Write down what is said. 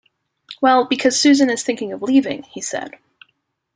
“Well, because Susan is thinking of leaving,” he said.